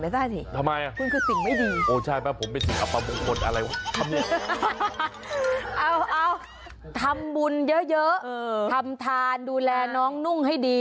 เอาทำบุญเยอะทำทานดูแลน้องนุ่งให้ดี